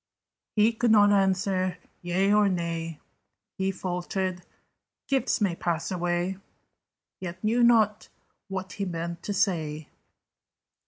He could not answer yea or nay: He faltered "Gifts may pass away." Yet knew not what he meant to say.